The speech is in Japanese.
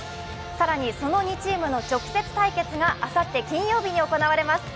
更にその２チームの直接対決があさって金曜日に行われます。